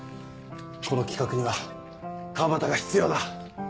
この企画には川端が必要だ。